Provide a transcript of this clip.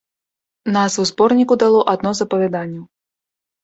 Назву зборніку дало адно з апавяданняў.